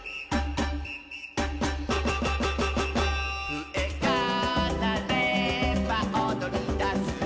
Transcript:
「ふえがなればおどりだす」